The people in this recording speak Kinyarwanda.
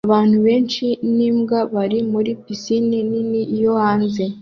Abantu benshi n'imbwa bari muri pisine nini yo hanze